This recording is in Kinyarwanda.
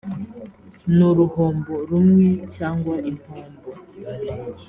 n uruhombo rumwe cyangwa impombo